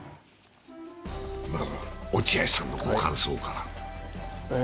落合さんのご感想から。